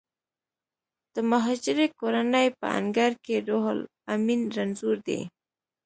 د مهاجرې کورنۍ په انګړ کې روح لامین رنځور دی